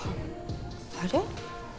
あれ？